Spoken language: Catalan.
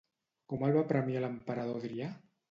Com el va premiar l'emperador Adrià?